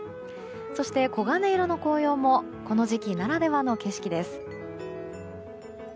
そして黄金色の紅葉もこの時期ならではの景色です。